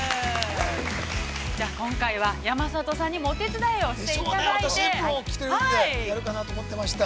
◆今回は山里さんにも、お手伝いをしていただいて。